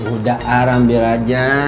udah aram biar aja